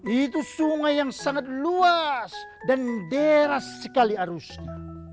itu sungai yang sangat luas dan deras sekali arusnya